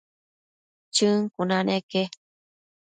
Chën cuna neque